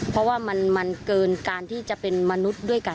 เพราะว่ามันเกินการที่จะเป็นมนุษย์ด้วยกัน